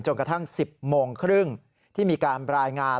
จนกระทั่ง๑๐๓๐นาทีที่มีการรายงาน